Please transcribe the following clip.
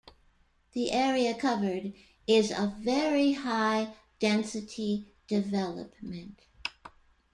The area covered is of very high density development.